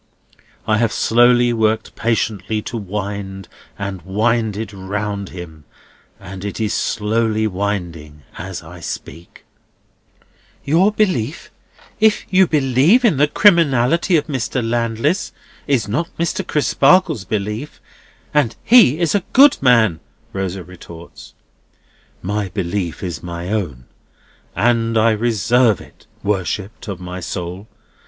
I have since worked patiently to wind and wind it round him; and it is slowly winding as I speak." [Illustration: Jasper's sacrifices] "Your belief, if you believe in the criminality of Mr. Landless, is not Mr. Crisparkle's belief, and he is a good man," Rosa retorts. "My belief is my own; and I reserve it, worshipped of my soul!